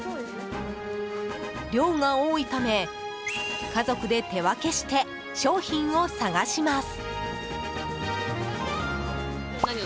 量が多いため家族で手分けして商品を探します。